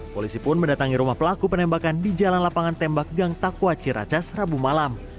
polisi pun mendatangi rumah pelaku penembakan di jalan lapangan tembak gang takwa ciracas rabu malam